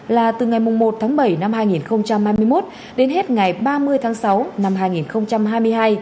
là từ ngày một tháng bảy năm hai nghìn hai mươi một đến hết ngày ba mươi tháng sáu năm hai nghìn hai mươi hai